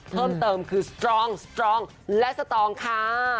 เพิ่มเติมคือสตรองสตรองและสตองค่ะ